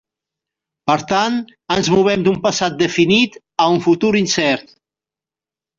Per tant, ens movem d'un passat definit a un futur incert.